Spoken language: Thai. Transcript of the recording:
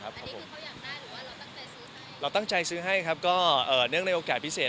หรือว่าเราตั้งใจซื้อให้ครับก็เนื่องในโอกาสพิเศษ